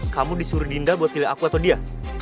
kamu disuruh dinda buat pilih aku atau dia